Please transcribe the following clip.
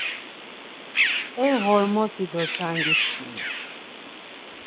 E Ğormoti do Ťrangi çkimi!.